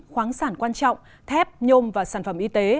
khoáng sản quan trọng thép nhôm và sản phẩm y tế